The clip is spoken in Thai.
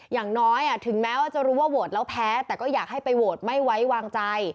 อย่างน้อยถึงแม้ว่าจะรู้ว่าโหวตแล้วแพ้แต่ก็อยากให้ไปโหวตไม่ไว้วางใจ